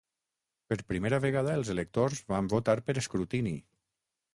Per primera vegada els electors van votar per escrutini.